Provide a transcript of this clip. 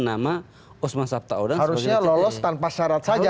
harusnya lulus tanpa syarat saja